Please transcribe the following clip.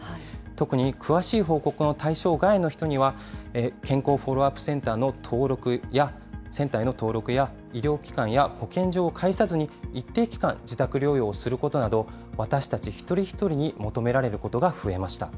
特に詳しい報告の対象外の人には、健康フォローアップセンターへの登録や、医療機関や保健所を介さずに、一定期間、自宅療養することなど、私たち一人一人に求められることが増えました。